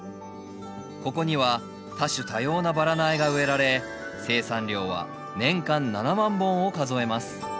ここには多種多様なバラ苗が植えられ生産量は年間７万本を数えます